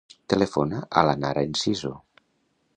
Telefona a la Nara Enciso.